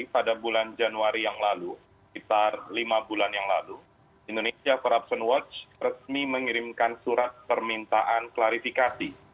pada bulan januari yang lalu sekitar lima bulan yang lalu indonesia corruption watch resmi mengirimkan surat permintaan klarifikasi